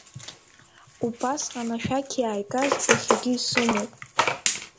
Убасҟан ашәақь иааигаз иахьагьы исымоуп.